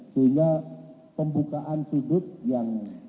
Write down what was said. sehingga pembukaan sudut yang